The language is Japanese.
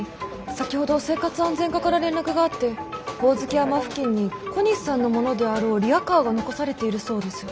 先ほど生活安全課から連絡があってホオズキ山付近に小西さんのものであろうリアカーが残されているそうです。